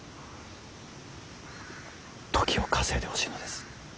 時を稼いでほしいのです。